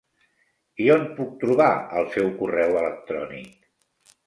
I on puc trobar el seu correu electrònic?